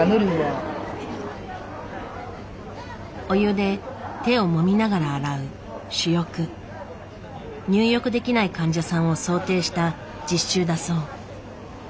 お湯で手をもみながら洗う入浴できない患者さんを想定した実習だそう。